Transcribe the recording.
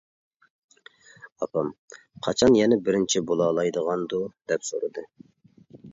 ئاپام «قاچان يەنە بىرىنچى بولالايدىغاندۇ» دەپ سورىدى.